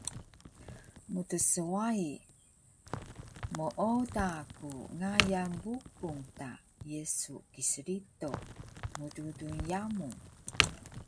Mtswai, mooda ku ngayan Bukung ta Yesu Kiristo dmudul yamu